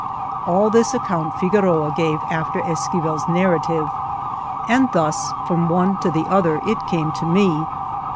28 ALL this account Figueroa gave after Esquivel's narrative, and thus, from one to the other, it came to me.